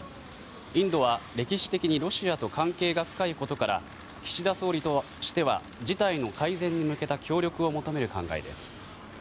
インドは歴史的にロシアと関係が深いことから岸田総理としては事態の改善に向けた協力を求める考えです。